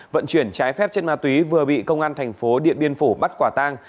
vận chuyển trái phép chất ma túy vừa bị công an thành phố điện biên phủ bắt quả tang